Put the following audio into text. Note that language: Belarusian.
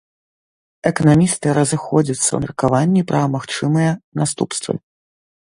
Эканамісты разыходзяцца ў меркаванні пра магчымыя наступствы.